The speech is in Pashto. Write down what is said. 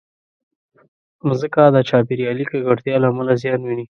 مځکه د چاپېریالي ککړتیا له امله زیان ویني.